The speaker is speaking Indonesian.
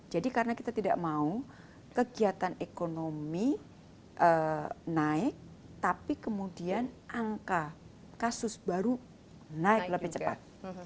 jadi karena kita tidak mau kegiatan ekonomi naik tapi kemudian angka kasus baru naik lebih cepat